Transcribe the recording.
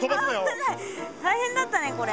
大変だったねこれ。